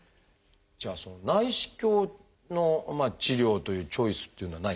じゃあその内視鏡の治療というチョイスっていうのはないんですか？